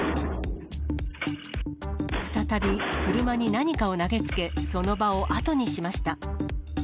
再び、車に何かを投げつけ、その場を後にしました。